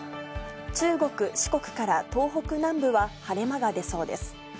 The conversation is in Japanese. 中国、四国から東北南部は晴れ間が出そうです。